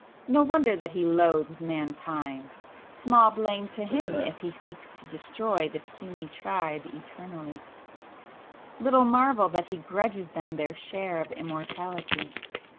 No wonder that he loathes Mankind!—small blame to him if he seeks to destroy the puny tribe eternally,—little marvel that he grudges them their share of immortality!